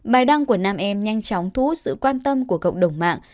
bài đăng của nam em nhanh chóng thú sự quan tâm của cộng đồng mạng